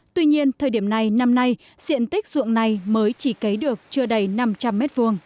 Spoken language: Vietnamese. tuy nhiên thời điểm này năm nay diện tích ruộng này mới chỉ cấy được chưa đầy năm trăm linh m hai